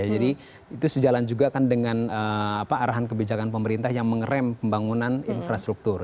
jadi itu sejalan juga kan dengan arahan kebijakan pemerintah yang mengerem pembangunan infrastruktur